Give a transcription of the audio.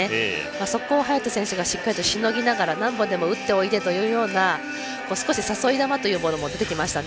そこを早田選手がしっかりと、しのぎながら何本でも打っておいでというような少し誘い球というのも出てきましたね。